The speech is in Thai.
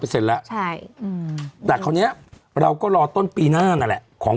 เป็นเสร็จแล้วใช่อืมแต่คราวเนี้ยเราก็รอต้นปีหน้าน่ะแหละของ